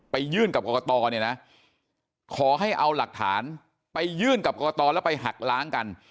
ยื่นกับกรกตเนี่ยนะขอให้เอาหลักฐานไปยื่นกับกรกตแล้วไปหักล้างกัน